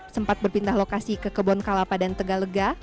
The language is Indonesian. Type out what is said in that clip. sempat berpindah lokasi ke kebon kalapa dan tegalega